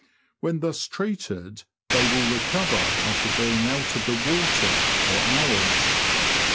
When thus treated, they will recover after being out of the water for hours.